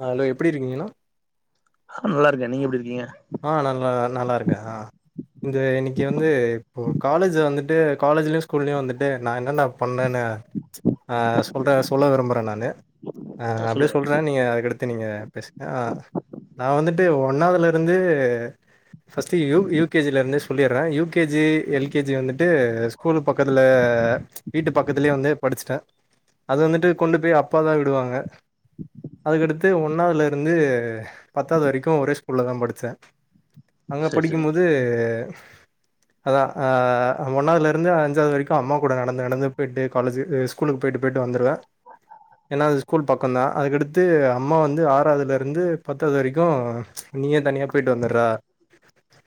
அ hello எப்டி இருக்கீங்க அண்ணா அ நல்லா இருக்க நீங்க எப்டி இருக்கீங்க ஆ நல்லா நல்லா இருக்கே ஆ இந்த இன்னைக்கு வந்து இப்போ காலேஜ் வந்துட்டு காலேஜ்லயு ஸ்கூல்லயு வந்துட்டு நா என்னன்ன பண்ணேன்னு ஆ சொல்றே சொல்ல விரும்புறே நானு ஆ ஆஹ் அப்டி சொல்லுங்க சொல்றே நீங்க எடுத் இப்ப நீங்க பேசுனா நா வந்துட்டு ஒன்னாவதுல இருந்து ஃபஸ்ட் யு யுகேஜியிலருந்தே சொல்லிடுறே யூகேஜி எல்கேஜி வந்துட்டு ஸ்கூல் பக்கத்துல வீட்டு பக்கத்துலயே வந்து படிச்சிட்டே அது வந்துட்டு கொண்டு போய் அப்பா தா விடுவாங்க அதுக்கடுத்து ஒன்னாவதுல இருந்து பத்தாது வரைக்கு ஒரே ஸ் கூல்லதா படிச்சே அங்க சரி சரிங்க படிக்கும்போது அதா ஆஹ் ஒன்னாவதுல இருந்து அஞ்சாவது வரைக்கு அம்மா கூட நடந்து நடந்து போயிட்டு காலேஜு ஸ்கூலுக்கு போயிட்டு போயிட்டு வந்துருவே ஏனா அது ஸ்கூல் பக்கொதா அதுக்கடுத்து அம்மா வந்து ஆறாவதுல இருந்து பத்தாவது வரைக்கு நீயே தனியா போயிட்டு வந்துருடா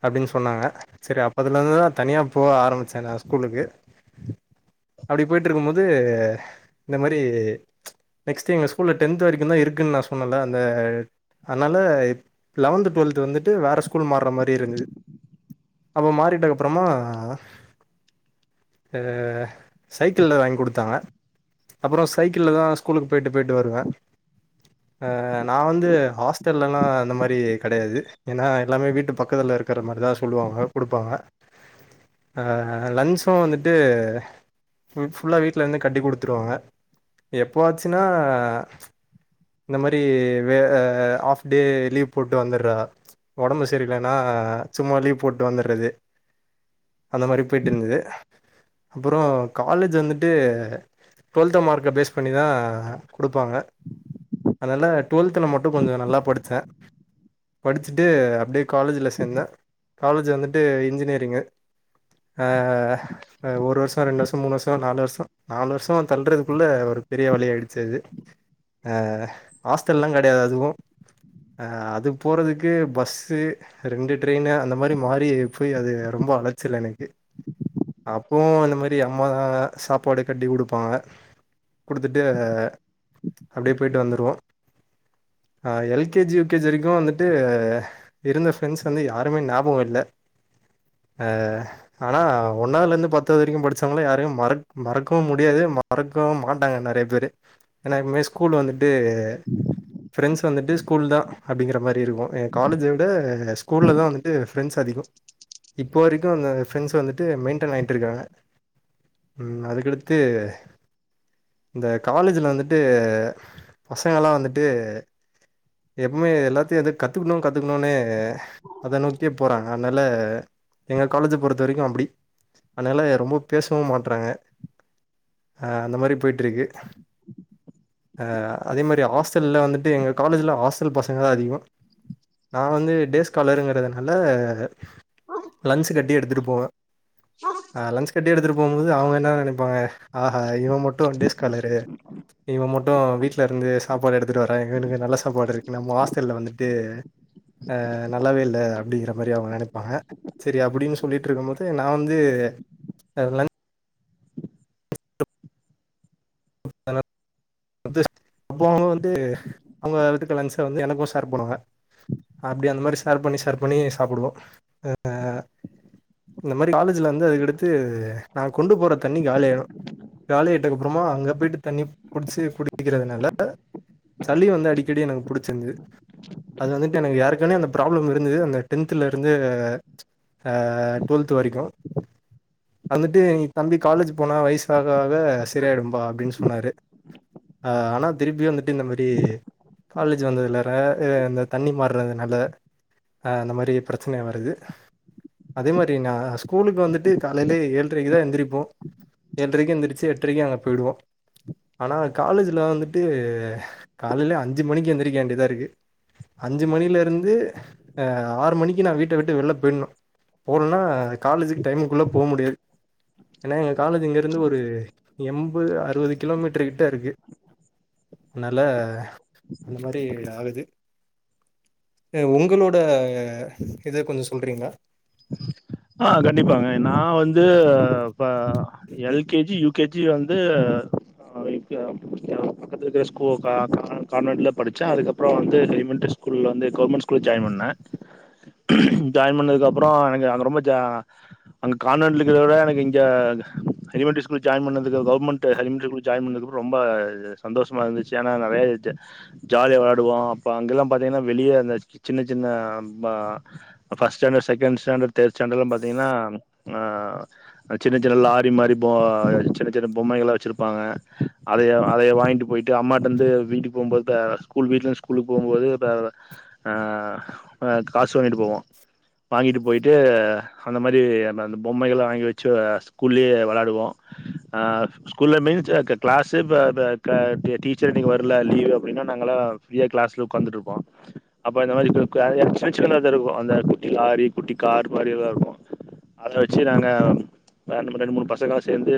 அப்டின்னு சொன்னாங்க சரி அப்பத்துல இருந்து தா தனியா போக ஆரம்பிச்சே நா ஸ்கூலுக்கு அப்டி போயிட்டு இருக்கும் போது இந்த மாரி நெக்ஸ்ட் டைம் எங்க ஸ்கூல டென்த் வரைக்கு தா இருக்குன்னு நா சொன்னல அந்த அதனால இ லெவன்து டுவெல்த்து வந்துட்டு வேறு ஸ்கூல் மாற மாரி இருந்தது அப்போ மாறிட்டக்கப்புறமா ஆஹ் சைக்கிள் வாங்கி கொடுத்தாங்க அப்புறோ சைக்கிள்ல தா ஸ்கூலுக்கு போயிட்டு போயிட்டு வருவே ஆஹ் நா வந்து ஹாஸ்டல் எல்லா அந்த மா ரி கெடையாது ஏன்னா எல்லாமே வீட்டு பக்கத்துல இருக்குற மாரி தா சொல்லுவாங்க குடுப்பாங்க ஆஹ் லஞ்சு வந்துட்டு ஃபுல் ஃபுல்லா வீட்ல இருந்து கட்டிக் குடுத்துருவாங்க எப்போவாச்சுன்னா இந்த மாரி வே ஆஹ் ஆஃப் டே லீவ் போட்டு வந்துடுறா ஒடம்பு சரி இல்லன்னா சும்மா லீவு போட்டு வந்துடுறது அந்த மாரி போயிட்டு இருந்தது அப்புறோ காலேஜ் வந்துட்டு டுவெல்த்த மார்க்க பேஸ் பண்ணி தா குடுப்பாங்க அதனால டுவெல்த்துல மட்டு கொஞ்சொ நல்லா படிச்சே படிச்சுட்டு அப்டியே காலேஜ்ல சேர்ந்தே காலேஜ் வந்துட்டு இன்ஜினியரிங்கு ஆஹ் ஒரு வருஷொ ரெண்டு வருஷோ மூணு வருஷொ நாலு வருஷொ நாலு வருஷொ தள்றதுக்குள்ள ஒரு பெரிய வழியாயிடுச்சு அது ஆஹ் ஹாஸ்டல் எல்லா கெடையாது அதுவு ஆஹ் அது போறதுக்கு பஸ்சு ரெண்டு ட்ரெயின் அந்த மாரி மாறி போய் அது ரொம்ப அலச்சல் எனக்கு அப்பவு இந்த மாரி அம்மாதா சாப்பாடு கட்டி குடுப்பாங்க குடுத்துட்டு அப்டியே போயிட்டு வந்துருவோ ஆஹ் எல் கேஜி யுகேஜி வரைக்கூ வந்துட்டு இருந்த ஃப்ரெண்ட்ஸ் வந்து யாருமே ஞாபகோ இல்ல ஆஹ் ஆனா ஒன்னாவதுல இருந்து பத்து வரைக்கூ படிச்சவங்கள யாரயும் மற மறக்கவும் முடியாது மறக்கவும் மாட்டாங்க நெறைய பேரு ஏன்னா எப்பவுமே ஸ்கூல் வந் ஆ ஃபிரண்ட்ஸ் வந்துட்டு ஸ்கூல் தான் அப்டிங்கிற மாரி இருக்கூ என் காலேஜ விட ஸ்கூல் தான் வந்துட்டு ஃப்ரெண்ட்ஸ் அதிகம் இப்போ வரைக்கூ அந்த ஃப்ரெண்ட்ஸ் வந்துட்டு மெயின்டெயன் ஆகிட்டு இருக்காங்க அதுக்கடுத்து இந்த காலேஜ்ல வந்துட்டு பசங்களலா வந்துட்டு எப்பவுமே எல்லாத்தையு எத கத்துக்கணும் கத்துக்கணும்ன்னே அத நோக்கியே போறாங்க அத்னால எங்க காலேஜா பொறுத்த வரைக்கூ அப்டி அத்னால ரொம்ப பேசவும் மாட்டறாங்க அந்த மாரி போயிட்டு இருக்கு ஆஹ் அதே மாரி ஹாஸ்டல்ல வந்துட்டு எங்க காலேஜ்ல ஹாஸ் டல் பசங்க தான் அதிகோ நான் வந்து டேஸ் கலருங்கிறதுனால லஞ்ச் கட்டி எடுத்துட்டு போவே லஞ்ச் கட்டி எடுத்து போம்போது அவங்க என்ன நெனைப்பாங்க ஆஹா இவன் மட்டும் டேஸ் காலரு இவன் மட்டும் வீட்ல இருந்து சாப்பாடு எடுத்து வரான் இவனுக்கு நல்ல சாப்பாடு இருக் நம்ம ஹாஸ்டல்ல வந்துட்டு ஆ நல்லாவே இல்ல அப்பிடிங்கிற மாரி அவங்க நெனைப்பாங்க செரி அப்டின்னு சொல்லிட்டு இருக்கூ போது நான் வந்து லஞ் [inaudible] அப்போ அவுங்க வந்து அவுங்க லஞ்ச் வந்து எனக்கும் ஷேர் பண்ணுவாங்க அப்டி அந்த மாரி ஷேர் பண்ணி ஷேர் பண்ணி சாப்டுவோம் ஆஹ் இந்த மாரி காலேஜ்ல வந்து கடுத்து நான் கொண்டு போற தண்ணி காலி ஆயிரு காலி ஆயிட்டு அப்பறோமா அங்க போயிட்டு தண்ணி புடிச்சு குடிக்கிறதுனால சளி வந்து அடிக்கடி எனக்கு புடிச்சிருந்தது அது வந்துட்டு எனக்கு ஏற்கனவே அந்த பிராப்ளம் இருந்தது அந்த டென்த்ல இருந்து ஆஹ் டுவெல்த் வரைக்கூ வந்துட்டு இனி தம்பி காலேஜ் போனா வயசு தகா [unintelligible] ஆஹ் செரியாயிடும் பா அப்டின்னு சொன்னாரு ஆஹ் ஆனா திருப்பி வந்துட்டு இந்த மாரி காலேஜ் வந்ததுனால இந்த தண்ணி மாறுதனால அஹ் அந்த மாரி பிரச்சன வருது அதே மாரி நான் ஸ்கூலுக்கு வந்துட்டு காலைலயே ஏழுரைக்குதான் எந்திரிப்போ ஏழரைக்கும் எழுந்திரச்சு எட்டுரைக்கும் அங்க போயிடுவோ ஆனால் காலேஜில் வந்துட்டு காலையையில் அஞ்சு மணிக்கு எழுந்திரிக்க வேண்டியதாக இருக்குது அஞ்சு மணிலேருந்து ஆறு மணிக்கு நான் வீட்ட விட்டு வெளில போயிடணு போலன்னா காலேஜ்க்கு டைமுக்குள்ள போ முடியாது என்னா எங்க காலேஜ் இங்க இருந்து ஒரு எம்பது அறுவது கிலோமீட்டர் கிட்ட இருக்கு அதனால இந்த மாரி ஆகுது உங்களோட இத கொஞ்சோ சொல்றீங்களா ஆஹ் கண்டிப்பாங்க நான் வந்து பா எல்கேஜி யுகேஜி வந்து பக்கத்து இருக்கிற ஸ்கூல் கா கான்வென்ட்ல படிச்சே அதுக்கப்புறம் வந்து எலிமெண்டரி ஸ்கூல்ல வந்து கவர்மெண்ட் ஸ்கூல்ல ஜாயின் பண்ணேன் ஜாயின் பண்ணுனத்துக்க அப்பறோ எனக்கு அது ரொம்ப ஜா அங்க கான்வென்ட்ல இருக்கிறத விட எனக்கு இங்க எலிமெண்டரி ஸ்கூல் ஜாயின் பண்ணதுக்கு அப்பறோ கவர்மென்ட் எலிமெண்டரி ஸ்கூல் ஜாயின் பண்ணதுக்கு அப்புறம் ரொம்ப சந்தோஷமா இருந்துச்சு ஏன்னா நெறைய ஜாலியா விளையாடுவோ அப்ப அங்க எல்லாம் பாத்தீங்கன்னா வெளிய அந்த சின்ன சின்ன first standard second standard third ஸ்டாண்டர்லாம் பாத்தீங்கன்னா அஹ் சின்ன சின்ன லாரி மாரி போ சின்ன சின்ன பொம்மைகள் எல்லா வச்சிருப்பாங்க அதைய அதைய வாங்கிட்டு போயிட்டு அம்மாட்டைந்து வீட்டுக்கு போம்போது ஸ்கூல் வீடலந்து ஸ்கூலுக்கு போம்போது ஆ காசு வாங்கிட்டு போவோ வாங்கிட்டு போயிட்டு அந்த மாரி அந்த பொம்மைகள் எல்லா வாங்கி வச்சு ஸ்கூல்லயே விளையாடுவோ ஆஹ் ஸ்கூல்ல மீன்ஸ் கிளாஸ்ஸு இப்ப டீச்சர் இன்னைக்கு வரல லீவ் அப்டின்னா நாங்கலா எ கிளாஸில உட்காந்துட்டுருப்போம அப்போ இந்த மாதிரி [unintelligible] இருக்கூ அந்த குட்டி லாரி குட்டி கார் மாரிலா இருக்கூ அத வச்சு நாங்க ரெண்டு மூணு பசங்களா சேர்ந்து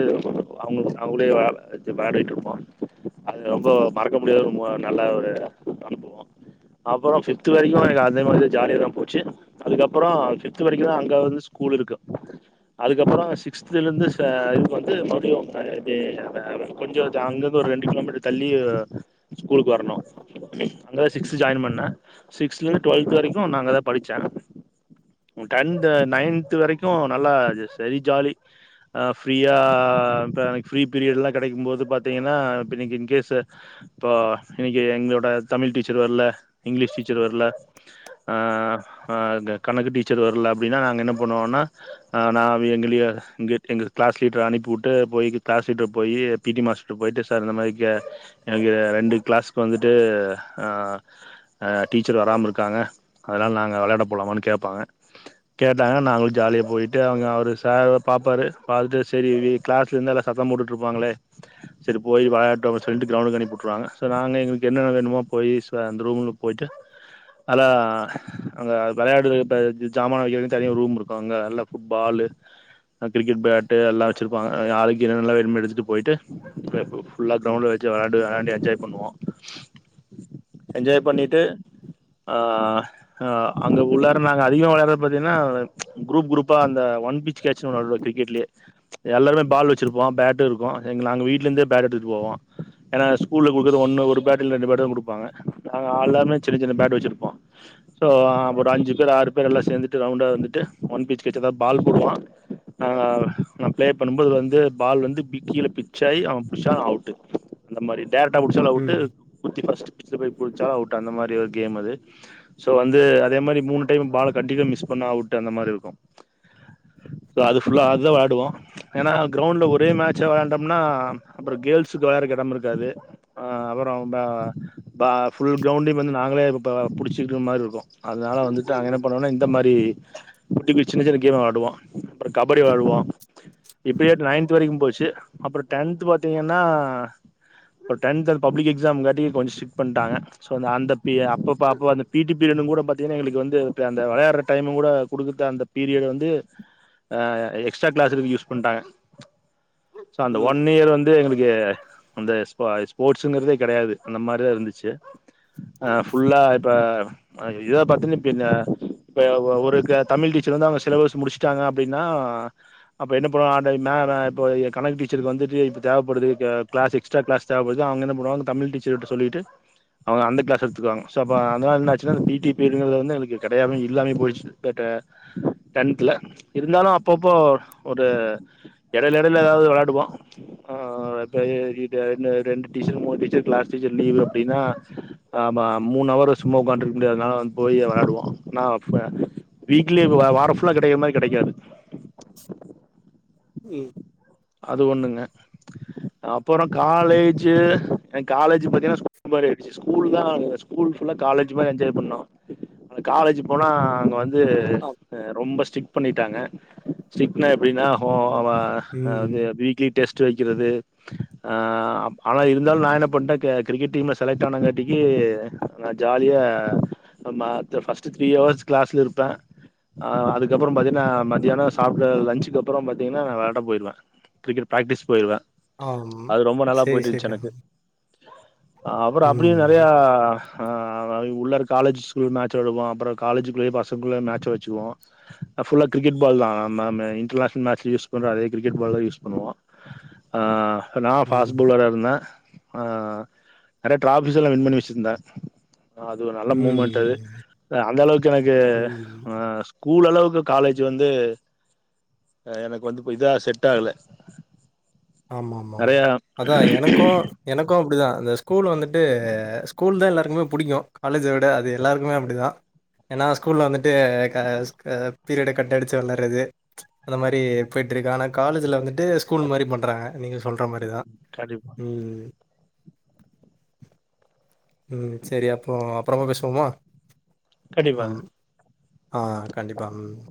அவுங்க அவுங்களயே விளையாடிட்டு இருப்போ அது ரொம்ப மறக்க முடியத மு நல்ல ஒரு அனுபவோ அப்பறோ ஃபிஃப்த் வரைக்கூ எனக்கு அதே மாரி ஜாலிய தான் போச்சு அதுக்கப்பறோ ஃபிஃப்த் வரைக்கூ தான் அங்க வந்து ஸ்கூல் இருக்கும் அதுக்கப்பறோ சிக்ஸ்துல இருந்து இது வந்து மறுடியு கொஞ்சோ அங்கருந்து ஒரு ரெண்டு கிலோமீட்டர் தள்ளி ஸ்கூலுக்கு வரணு அங்கதான் சிக்ஸ்து ஜாயின் பண்ணேன் சிக்ஸ்தல இருந்து டுவெல்த் வரைக்கூ நான் அங்க தான் படிச்சே டென்த் நைன்த்து வரைக்கூ நல்லா செரி ஜாலி அஹ் ஃப்ரீயா ஃப்ரீ பீரியட் எல்லா கிடைக்கூ போது பாத்தீங்கன்னா இப்ப இன்னைக்கு இன்கேஸ் இப்போ இன்னைக்கு எங்களோட தமிழ் டீச்சர் வர்ல இங்கிலீஷ் டீச்சர் வர்ல ஆ கணக்கு டீச்சர் வர்ல அப்டின்னா நாங்க என்ன பண்ணுவோம்னா நான் எங்கயே இங்கே எங்க கிளாஸ் லீடர அனுப்பிவிட்டு போய் கிளாஸ் லீட்ரு போய் பிடி மாஸ்டரு போயி்ட்டு சார் இந்த மாதிரி க எ ரெண்டு கிளாஸக்கு வந்துட்டு ஆஹ் டீச்சர் வராம இருக்காங்க அதனால் நாங்க விளையாட போலாமான்னு கேப்பாங்க கேட்டாங்கன்னா நாங்களு ஜாலியா போயிட்டு அவுங்க அவரு சார் பாப்பாரு பாத்துட்டு செரி இவங்க கிளாஸ்ல இருந்தா எல்லாரும் சத்தம் போட்டுட்டு இருப்பாங்களே செரி போய் விளையாடடும் அப்டின்னு சொல்லிட்டு கிரவுண்டுக்கு அனுப்பி விட்டுருவாங்க சோ நாங்க எங்களுக்கு என்ன வேணுமோ போயி அந்த ரூம்ல போயிட்டு அத ஆ அங்க விளையாடுற இப்ப ஜாமான் வைக்கிறதுக்கூ தனியா ரூம் இருக்கூ அங்க நல்லா ஃபுட்பால் கிரிக்கெட் பேட் எல்லாம் வச்சிருப்பாங்க ஆளுக்கு என்னென்ன வேணுமோ எடுத்துட்டுப் போயிட்டு, ஃபுல்லா கிரவுண்ட்ல வச்சு விளையாடு விளையாண்டு என்ஜாய் பண்ணுவோ என்ஜாய் பண்ணிட்டு ஆ ஆ அங்க உள்ளார நாங்க அதிகமா விளையாடுறது பாத்தீங்கன்னா குரூப் குரூப்பா அந்த ஒன் பிட்ச் கேட்ச்னு ஒன்னு விளையாடுவோ கிரிக்கெட்லயே எல்லாருமே பால் வச்சிருப்போம் பேட்டு இருக்கும் நாங்க வீட்ல இருந்தே பேட் எடுத்துட்டு போவோ ஏன்னா ஸ்கூல்ல குடுக்கறது ஒன்னு ஒரு பேட் இல்ல ரெண்டு பேட் தான் குடுப்பாங்க நாங்க எல்லாருமே சின்ன சின்ன பேட் வச்சிருப்போ சோ ஒரு அஞ்சு பேர் ஆறு பேர் எல்லா சேர்ந்துட்டு ரவுண்டா வந்துட்டு ஒன் பிச் கச்சதாவது பால் போடுவான் ஆஹ் நான் ப்ளே பண்ணும்போது வந்து பால் வந்து கீழ பிச்சாகி அவன் பிடிச்சா அவுட்டு அந்த மாரி டைரக்ட்டா [unintelligible] ம் போட்டு [unintelligible] அவுட் அந்த மாரி ஒரு கேம் அது சோ வந்து அதே மாரி மூணு டைம் பால் கட்டிக்க மிஸ் பண்ண அவுட் அந்த மாரிருக்கூ அது ஃபுல்லா அதான் விளாடுவோ ஏன்னா கிரௌண்ட்ல ஒரே மேச்ச விளாண்டோம்னா அப்றம் கேர்ள்ஸ்க்கு விளட்றதுக்கு யெடமிருக்காது. அ அப்றோ ஃபுல் கிரௌண்டயும் வந்து நாங்ளே புடிச்சிட்ர மாரி ருக்கும் அதனால வந்துட்டு நாங்க என்ன பண்ணுவோனா இந்த மாரி குட்டி கு சின்ன சின்ன கேமு வாடுவோ அப்றம் கபடி வாடுவோ இப்டியே நைன்த் வரைக்கூ போச்சு. அப்றம் டென்த்து பாத்தீங்கன்னா டென்த் ந்த பப்ளிக் எக்ஸாம் காட்டி கொஞ்சோ ஸ்ட்ரிக்ட் பண்ணிட்டாங்க ஸோ அந்த பி அப்பப்ப அப்போ அந்த பி டி பீரியடுனு கூட பாத் யெங்களுக்கு வந்து அந்த வெளயாட்ற டைமு கூட குடுக்க அந்த பீரியட வந்து ஹ எக்ஸ்ட்ரா கிளஸ்க்கு யூஸ் பண்டாங்க ச அந்த ம் ஒன்னியர் வந்து யெங்களுக்கு அந்த ஸ்ப ஸ்போர்ட்ஸ்ங்கிறதே கெடயாது அந்த மாரிதான் ருந்துச்சு ஃபுல்லா யிப்ப இதுலா பாத்தின இப்பி அந்த இப்ப ஒருக தமிழ் டீச்சர் வந்து அவ்ங்க சிலபஸ் முடிச்ட்டாங்க அப்டின்னா அப்ப என்ன பண்ணுவோ அ டை நா நா இப்போ ஏ கணக்கு டீச்சருக்கு வந்துட்டு இது தேவப்படுது த க்ளாஸ் எக்ஸ்ட்ரா க்ளாஸ் தேவபடுது அவுங்க என்ன பண்ணுவாங்க தமிழ் டீச்சர்குட்ட சொல்லிட்டு அவுங்க அந்த கிளாஸ் எடுத்துகுவாங்க சோ பா அத்னால என்னாச்சுனா இந் பீ டீ பீர்டுகல்ல வந்து எங்ளுக்கு கடையாம இல்லாமே போய்ட்ச்சு தட் அ டன்த்ல இருந்தாலு அப்பப்போ ஒரு எடைல எடைல எதாவ்து வெள்ளாடுவோ ஆ [unintelligible] ரெண்டு டீச்சர் மூனு டீச்சர் க்ளாஸ் டீச்சர் லீவு அப்டின்னா அ மா மூணு அவரு சும்மா உக்கான்ட்டுருக்க முடியாது நா போயி வெள்ளாடுவோ நா ஃப வீக்லி வ வார ஃபுல்லா கெடைக்கிர மாரி கெடைக்காது ம் அது ஒன்னுங்க அப்பறொ காலேஜு என்க் காலேஜி பாத்தீங்கன்னா [inaudible] ஸ்கூல்தா எங்க ஸ்கூல் ஃபுல்லா காலேஜ் மாரி எஞ்ஜாய் பண்ணோ காலேஜ் போனா அங்க வந் து ஆம் ரொம்ப ஸ்ட்ரிக்ட் குங் பண்ணிட்டாங்க ஸ்ட்ரிக்ட்னா எப்டின்னா ஹோ வா அதாவது ம் வீக்லி டெஸ்ட் ற்று வைக்கிறது ஆ அவன் இருந்தாலும் நான் என்ன பண்ணிட்டேன் கிரிக்கெட் டீம்ல செலக்ட் ஆனங்காட்டிக்கு நான் ஜாலியா ம பஸ்ட் த்ரீ அவர்ஸ் கிளாஸ்ல இருப்பேன் அதுக்கப்றம் பாத்தீனா நான் மத்தியானம் சாப்டு லஞ்சுக்கு அப்றம் பாத்தீங்கன்னா நான் வெளயாட போயிருவே கிரிக்கெட் பிராக்டிஸ் போயிருவ ஆம் அது ரொம்ப நல்லா சேரி போயிட்டு சேரி இருந்துச்சு ஆ எனக்கு அவ்ரு அப்டியே நெறயா ம் ஆ உள்ளரு காலேஜ்குள் மேச்ச விடுவோம் அப்றம் காலேஜுக்குள்ளயே பசங்கள்ளேயே மேச் வச்சுக்குவோம் ஃபுல்லா கிரிக்கெட் பால் தா நம்ம இன்டர்நேஷனல் மேச் யூஸ் பண்ற அதே கிரிகெட் பால தா யூஸ் பண்ணுவோம். ஆ ம் நான் ஃபாஸ்ட் பவுலரா இருந்த ஆ நறைய டிராஃபிஸ் ல்லாம் வின் பண்ணி வச்சிருந்தா அது ஒரு நல்ல மூவ்மெண்ட் ம் ஆ அந்த அளவுக்கு எனக்கு ம் ஆ ஸ்கூல் அளவுக்கு காலேஜ் வந்து ஆ எனக்கு வந்து இதா செட் செட்டாகல ஆமா மா மா அதான் எனக்கும் எனக்கும் அப்டிதான் அந்த ஸ்கூல் வந்துட்டு ஸ்கூல் தான் எல்லாருக்குமே புடிக்கும். காலேஜ விட அது எல்லாருக்குமே அப்டிதான். ஏன்னா ஸ்கூல்ல வந்துட்டு அ அ பீரியட கட் அடிச்சி வெளாட்றது அந்த மாரி பேய்ட்ருக்கு ஆனா காலேஜில்ல வந்துட்டு ஸ்கூல் மாரி பண் ர நீங்க சொல்ற மாரிதா கண்டிப்பா உம் உம் சரி அப்றம் அப்றமா பேசுவோமா கண்டிப்பாங்க ஆம் ஆ கண்டிப்பா ம்